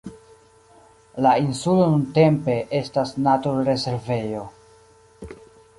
La insulo nuntempe estas naturrezervejo.